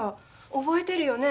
覚えてるよね？